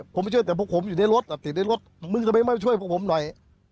ผมไม่เชื่อแต่พวกผมอยู่ในรถติดในรถมึงทำไมไม่มาช่วยพวกผมหน่อย